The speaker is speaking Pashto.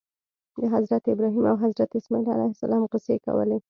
د حضرت ابراهیم او حضرت اسماعیل علیهم السلام قصې کولې.